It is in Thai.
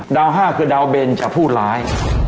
เดา๕คือเดาเบนจะพูดร้าย